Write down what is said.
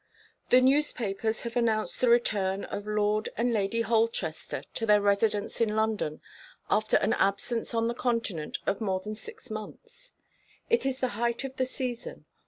THE newspapers have announced the return of Lord and Lady Holchester to their residence in London, after an absence on the continent of more than six months. It is the height of the season.